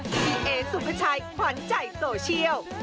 พี่เอสุภาชัยขวัญใจโซเชียล